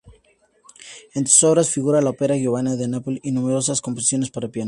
Entre sus obras figura la ópera "Giovanna di Napoli" y numerosas composiciones para piano.